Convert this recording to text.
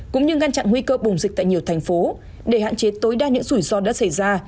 cũng như ngăn chặn nguy cơ bùng dịch tại nhiều thành phố để hạn chế tối đa những rủi ro đã xảy ra